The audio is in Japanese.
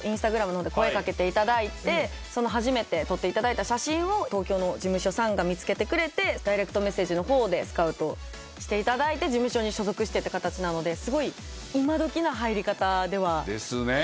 Ｉｎｓｔａｇｒａｍの方で声掛けていただいて初めて撮っていただいた写真を東京の事務所さんが見つけてくれてダイレクトメッセージの方でスカウトしていただいて事務所に所属してって形なのですごい今どきな入り方では。ですね。